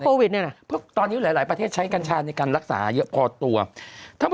โควิดเนี่ยหลายประเทศใช้กัญชาในการรักษาเยอะกว่าตัวแต่